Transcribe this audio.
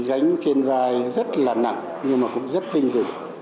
gánh trên vai rất là nặng nhưng mà cũng rất vinh dự